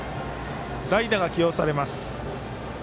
代打が起用されます。